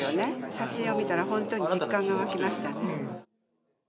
写真を見たら、本当に実感が湧きました。